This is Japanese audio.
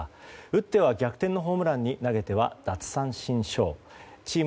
打っては逆転のホームランに投げては奪三振ショー。